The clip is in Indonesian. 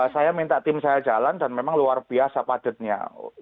saya minta tim saya jalan dan memang luar biasa padatnya